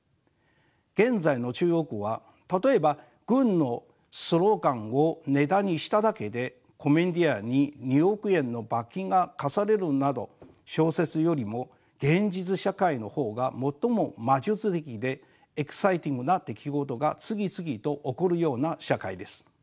現在の中国は例えば軍のスローガンをネタにしただけでコメディアンに２億円の罰金が科されるなど小説よりも現実社会の方が最も魔術的でエキサイティングな出来事が次々と起こるような社会です。